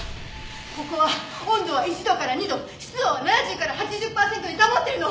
ここは温度は１度から２度湿度は７０から８０パーセントに保ってるの！